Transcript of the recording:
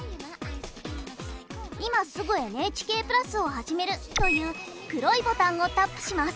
「今すぐＮＨＫプラスをはじめる」という黒いボタンをタップします。